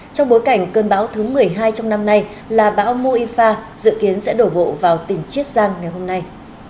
trong bối cảnh cơn bão thứ một mươi hai trong năm nay là bão mu i fa dự kiến sẽ đổ bộ vào tỉnh chiết giang ngày hôm nay